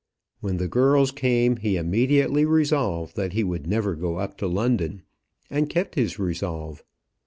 When the girls came he immediately resolved that he would never go up to London, and kept his resolve.